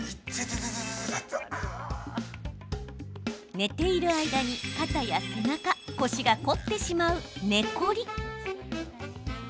寝ている間に肩や背中腰が凝ってしまう寝コリ。